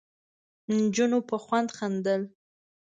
نجونو په خوند خندل.